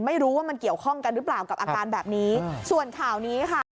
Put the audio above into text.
ไม่รู้ว่ามันเกี่ยวข้องกันหรือเปล่ากับอาการแบบนี้ส่วนข่าวนี้ค่ะ